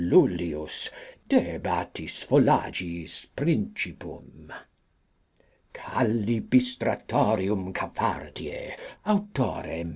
Lullius de Batisfolagiis Principum. Calibistratorium caffardiae, authore M.